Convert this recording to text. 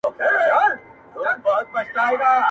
ما لېمه درته فرش کړي ما مي سترګي وې کرلي!